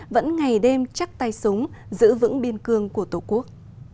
vẫn ngày đêm chắc tay súng giữ vững biên cương của tổ quốc